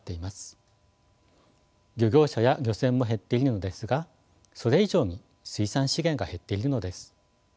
漁業者や漁船も減っているのですがそれ以上に水産資源が減っているのです。